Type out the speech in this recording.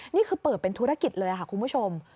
นี่คือเปิดเป็นธุรกิจเลยค่ะคุณผู้ชม